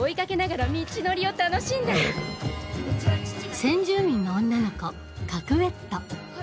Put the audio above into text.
先住民の女の子カクウェット